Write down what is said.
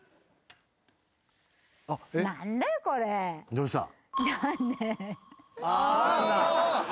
どうした？